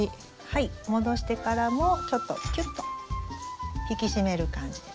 はい戻してからもちょっとキュッと引き締める感じで。